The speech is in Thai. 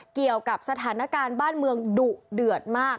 เกี่ยวกับสถานการณ์บ้านเมืองดุเดือดมาก